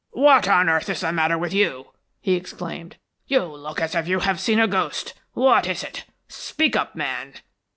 "What on earth is the matter with you?" he exclaimed. "You look as if you had seen a ghost! What is it? Speak up, man!"